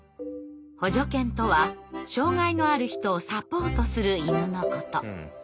補助犬とは障害のある人をサポートする犬のこと。